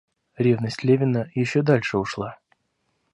Ревность Левина еще дальше ушла.